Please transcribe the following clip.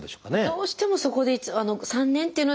どうしてもそこで３年っていうので私